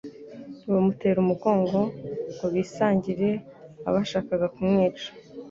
bamutera umugongo ngo bisangire abashakaga kumwica,